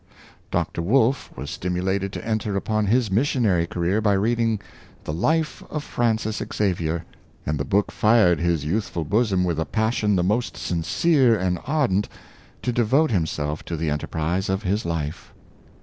Dr. Wolff was stimulated to enter upon his missionary career by reading the " Life of Francis Xavier;" and the book fired his youth Hovj Greatness is Attained. 597 ful bosom with a passion the most sincere and ardent to devote himself to the enterprise of his Hfe.